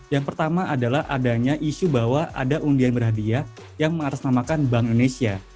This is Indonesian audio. yang pertama adalah adanya isu bahwa ada undian berhadiah yang mengatasnamakan bank indonesia